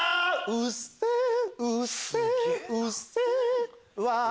うっせぇうっせぇうっせぇわ